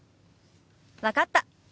分かった。